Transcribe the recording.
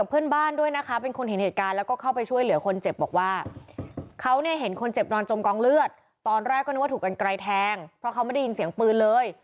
เพราะเขาไม่ได้ยินเสียงปืนเลย